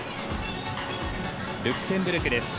ルクセンブルクです。